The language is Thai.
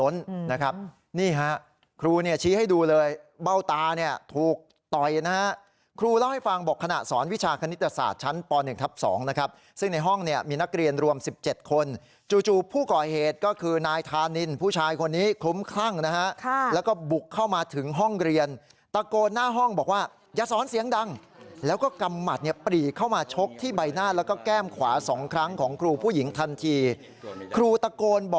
นิตยศาสตร์ชั้นป๑ทัพ๒นะครับซึ่งในห้องเนี้ยมีนักเรียนรวมสิบเจ็บคนจู่ผู้ก่อเหตุก็คือนายทานินผู้ชายคนนี้คุ้มคลั่งนะฮะค่ะแล้วก็บุกเข้ามาถึงห้องเรียนตะโกนหน้าห้องบอกว่าอย่าสอนเสียงดังแล้วก็กำหมัดเนี้ยปรีเข้ามาชกที่ใบหน้าแล้วก็แก้มขวาสองครั้งของครูผู้หญิงทันทีครูตะโก